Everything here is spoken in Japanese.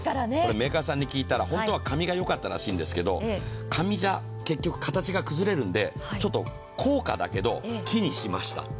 メーカーさんに聞いたら、本当は紙がよかったそうですが、紙じゃ結局形が崩れるので高価だけど木にしましたって。